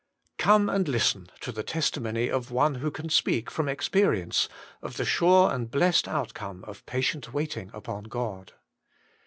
COME and listen to the testimony of one who can speak from experience of the sure and blessed outcome of patient waiting upon God.